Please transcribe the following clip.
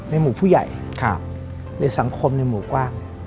หมู่ผู้ใหญ่ในสังคมในหมู่กว้าง